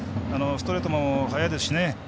ストレートも速いですし。